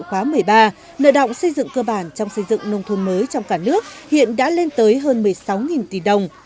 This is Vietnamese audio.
khóa một mươi ba nợ động xây dựng cơ bản trong xây dựng nông thôn mới trong cả nước hiện đã lên tới hơn một mươi sáu tỷ đồng